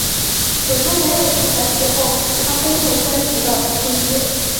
史书没有记载之后武康公主生卒的信息。